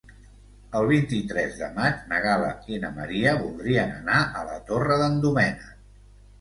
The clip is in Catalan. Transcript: El vint-i-tres de maig na Gal·la i na Maria voldrien anar a la Torre d'en Doménec.